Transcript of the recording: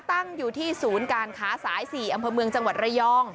ตั้งอยู่ที่ศูนย์การค้าสาย๔อำเภอเมืองจังหวัดระยอง